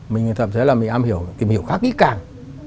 mình thậm chí là mình am hiểu tìm hiểu khá kỹ càng